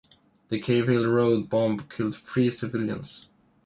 The Cavehill Road bomb killed three civilians.